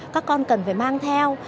các con cần phải mang theo